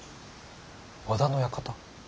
和田の館。